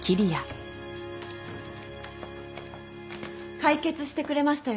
解決してくれましたよ